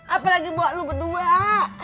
apalagi bawa lu berdua